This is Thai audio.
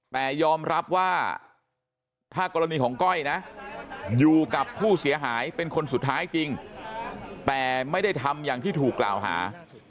แต่ยอมรับว่าถ้ากรณีของก้อยนะอยู่กับผู้เสียหายเป็นคนสุดท้ายจริงแต่ไม่ได้ทำอย่างที่ถูกกล่าวหา